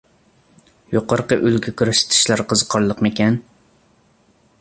يۇقىرىقى ئۈلگە كۆرسىتىشلەر قىزىقارلىقمىكەن؟